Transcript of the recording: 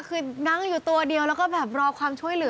คือนั่งอยู่ตัวเดียวแล้วก็แบบรอความช่วยเหลือ